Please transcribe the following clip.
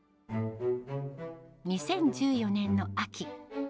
２０１４年の秋。